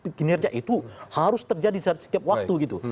kinerja itu harus terjadi setiap waktu gitu